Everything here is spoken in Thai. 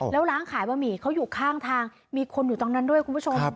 แล้วร้านขายบะหมี่เขาอยู่ข้างทางมีคนอยู่ตรงนั้นด้วยคุณผู้ชม